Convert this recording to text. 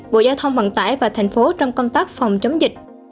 bộ giao thông vận tải và thành phố trong công tác phòng chống dịch